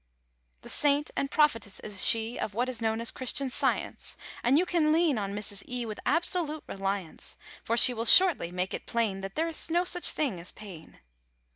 The Saint and Prophetess is she Of what is known as Christian Science; And you can lean on Mrs. E. With absolute reliance; For she will shortly make it plain That there is no such thing as pain.